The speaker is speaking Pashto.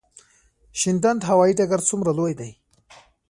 شینډنډ هوايي ډګر څومره لوی دی؟